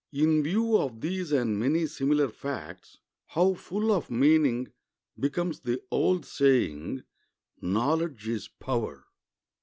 In view of these and many similar facts, how full of meaning becomes the old saying, "Knowledge is power!"